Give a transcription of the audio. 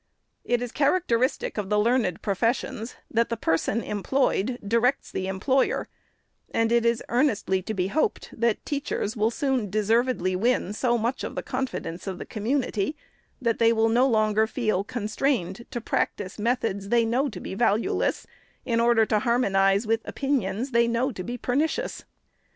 It is characteristic of the learned professions, that the person employed directs the employer ; and it is ear estly to be hoped, that teachers will soon deservedly win so much of the confidence of the community, that they will no longer feel constrained to practise methods they know to be valueless, in order to harmonize with opinions they know to be pernicious.